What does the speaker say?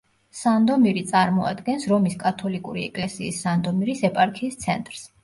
სანდომირი წარმოადგენს რომის კათოლიკური ეკლესიის სანდომირის ეპარქიის ცენტრს.